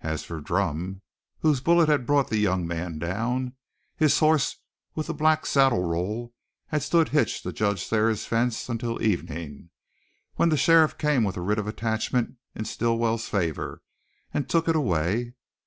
As for Drumm, whose bullet had brought the young man down, his horse with the black saddle roll had stood hitched to Judge Thayer's fence until evening, when the sheriff came with a writ of attachment in Stilwell's favor and took it away.